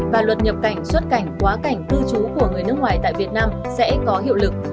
và luật nhập cảnh xuất cảnh quá cảnh cư trú của người nước ngoài tại việt nam sẽ có hiệu lực